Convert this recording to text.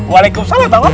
waalaikumsalam pak obed